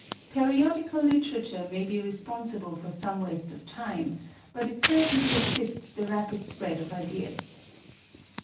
Periodical literature may be responsible for some waste of time, but it certainly assists the rapid spread of ideas.